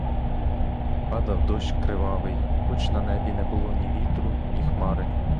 Падав дощ кривавий, хоч на небі не було ні вітру, ні хмари.